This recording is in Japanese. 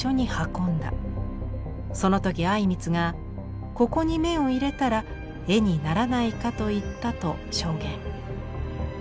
その時靉光がここに眼を入れたら絵にならないかと言った」と証言。